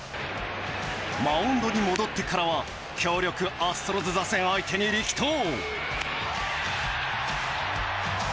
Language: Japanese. マウンドに戻ってからは強力アストロズ打線相手に力投。